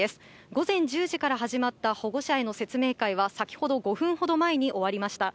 午前１０時から始まった保護者への説明会は先ほど５分ほど前に終わりました。